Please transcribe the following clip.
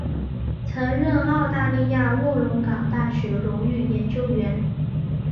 曾任澳大利亚卧龙岗大学荣誉研究员。